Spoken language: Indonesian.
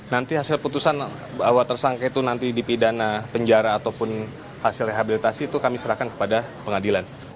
nanti hasil putusan bahwa tersangka itu nanti dipidana penjara ataupun hasil rehabilitasi itu kami serahkan kepada pengadilan